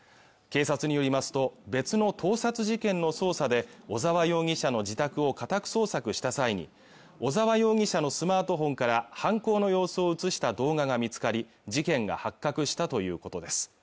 警察によりますと別の盗撮事件の捜査で小沢容疑者の自宅を家宅捜索した際に小沢容疑者のスマートフォンから犯行の様子を映した動画が見つかり事件が発覚したということです